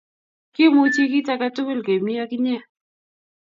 kimuchi kit akatugul kemi ak inye